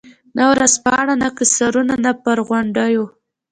نه ورځپاڼه، نه قصرونه پر غونډیو.